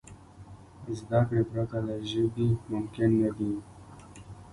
زدهکړې پرته له ژبي ممکن نه دي.